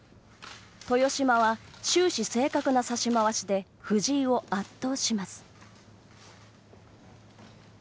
豊島は、終始正確な指し回しで藤井を圧倒します。